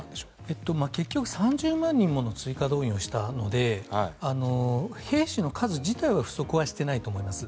結局３０万人もの追加動員をしたので兵士の数自体は不足していないと思います。